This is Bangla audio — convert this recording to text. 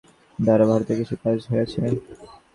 বলাই বাহুল্য যে, উক্ত সোসাইটির দ্বারা ভারতে কিছু কাজ হইয়াছে।